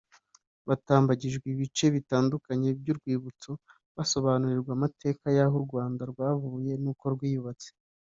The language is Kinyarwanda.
Batambagijwe ibice bitandukanye by’urwibutso basobanurirwa amateka y’aho u Rwanda rwavuye n’uko rwiyubatse